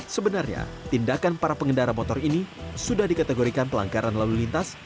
sebenarnya tindakan para pengendara motor ini sudah dikategorikan pelanggaran lalu lintas